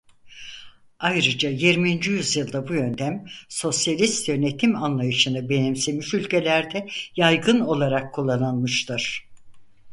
Ayrıca yirminci yüzyılda bu yöntem sosyalist yönetim anlayışını benimsemiş ülkelerde yaygın olarak kullanılmıştır.